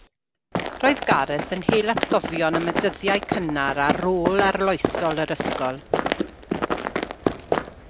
Roedd Gareth yn hel atgofion am y dyddiau cynnar a rôl arloesol yr ysgol.